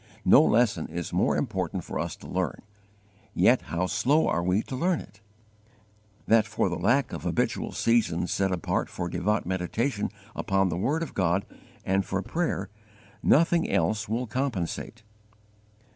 No lesson is more important for us to learn, yet how slow are we to learn it: that for the lack of habitual seasons set apart for devout meditation upon the word of God and for prayer, nothing else will compensate.